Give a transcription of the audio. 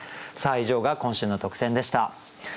以上が今週の特選でした。